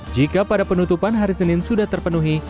jika pada penutupan hari senin sudah terpenuhi